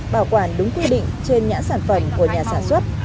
bảo quản đúng quy định trên nhãn sản phẩm của nhà sản xuất